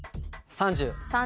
３０。